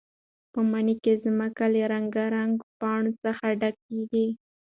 په مني کې ځمکه له رنګارنګ پاڼو څخه ډکېږي.